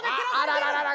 あらららら。